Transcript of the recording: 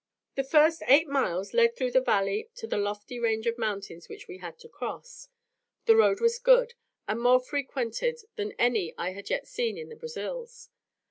The first eight miles led through the valley to the lofty range of mountains which we had to cross. The road was good, and more frequented than any I had yet seen in the Brazils.